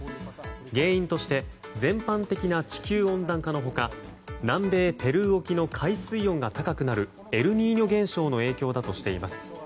原因として全般的な地球温暖化の他南米ペルー沖の海水温が高くなるエルニーニョ現象の影響だとしています。